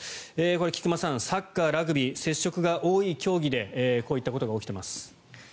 菊間さん、サッカー、ラグビー接触が多い競技でこういったことが起きてます。